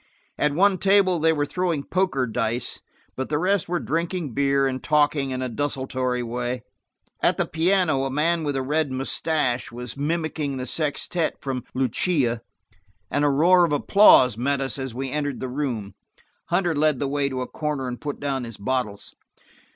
At one table they were throwing poker dice, but the rest were drinking beer and talking in a desultory way. At the piano a man with a red mustache was mimicking the sextette from Lucia and a roar of applause met us as we entered the room. Hunter led the way to a corner and put down his bottles.